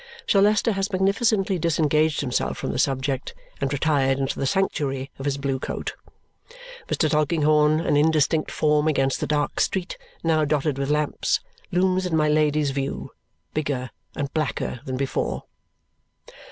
Sir Leicester has magnificently disengaged himself from the subject and retired into the sanctuary of his blue coat. Mr. Tulkinghorn, an indistinct form against the dark street now dotted with lamps, looms in my Lady's view, bigger and blacker than before.